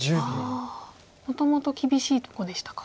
もともと厳しいとこでしたか。